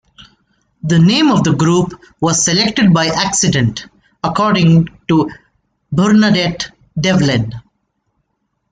The name of the group was selected by accident, according to Bernadette Devlin.